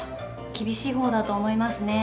厳しいほうだと思いますね。